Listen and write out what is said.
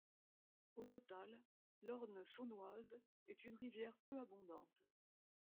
Au total, l'Orne Saosnoise est une rivière peu abondante.